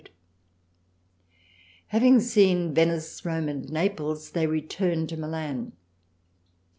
Having seen Venice Rome and Naples they return to Milan.